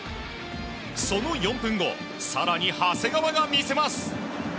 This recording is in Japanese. その４分後更に長谷川が魅せます。